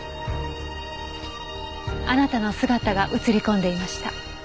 あなたの姿が映り込んでいました。